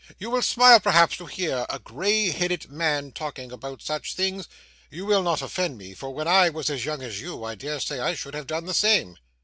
You will smile, perhaps, to hear a grey headed man talk about such things. You will not offend me, for when I was as young as you, I dare say I should have done the same.